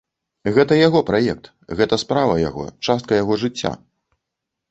Гэта яго праект, гэта справа яго, частка яго жыцця.